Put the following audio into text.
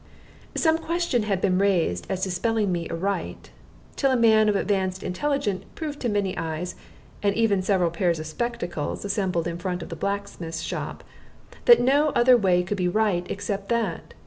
Some question had been raised as to spelling me aright, till a man of advanced intelligence proved to many eyes, and even several pairs of spectacles (assembled in front of the blacksmith's shop), that no other way could be right except that.